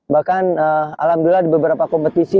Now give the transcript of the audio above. bahkan alhamdulillah di beberapa kompetisi